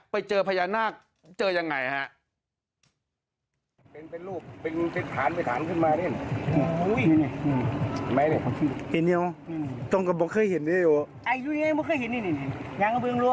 ไปเจอพญานาคเจอยังไงฮะ